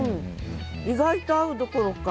意外と合うどころか。